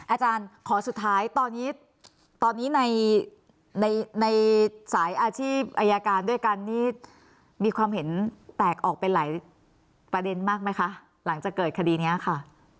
อาจารย์ขอสุดท้ายตอนนี้ในสายอาชีพอายการด้วยกันนี่มีความเห็นแตกออกเป็นหลายประเด็นมากไหมคะหลังจากเกิดคดีนี้ค่ะ